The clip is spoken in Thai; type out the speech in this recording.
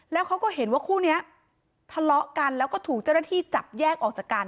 แล้วเขาก็เห็นว่าคู่นี้ทะเลาะกันแล้วก็ถูกเจ้าหน้าที่จับแยกออกจากกัน